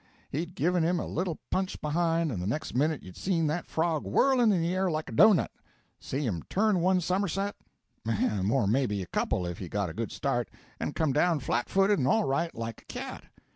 He'd give him a little punch behind, and the next minute you'd see that frog whirling in the air like a doughnut see him turn one summerset, or maybe a couple if he got a good start, and come down flat footed and all right, like a cat.